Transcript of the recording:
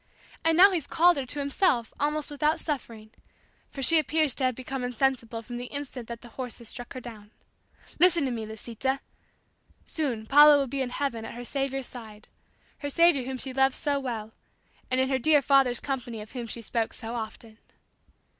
And now He's called her to Himself almost without suffering, for she appears to have become insensible from the instant that the horses struck her down. Listen to me, Lisita! Soon Paula will be in heaven at her Saviour's side her Saviour whom she loved so well; and in her dear father's company of whom she spoke so often.